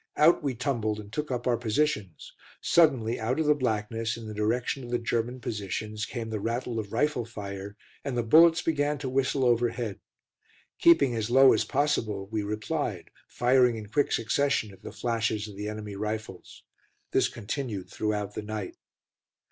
Out we tumbled, and took up our positions. Suddenly out of the blackness, in the direction of the German positions, came the rattle of rifle fire, and the bullets began to whistle overhead. Keeping as low as possible, we replied, firing in quick succession at the flashes of the enemy rifles. This continued throughout the night.